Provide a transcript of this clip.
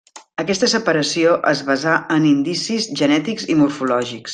Aquesta separació es basà en indicis genètics i morfològics.